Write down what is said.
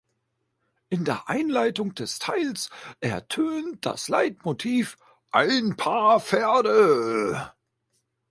In der Einleitung des Teils ertönt das Leitmotiv „Ein paar Pferde“.